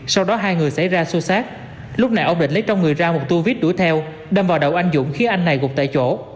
sau đó hai người xảy ra xô xát lúc này ông định lấy trong người ra một tu viết đuổi theo đâm vào đầu anh dũng khi anh này gục tại chỗ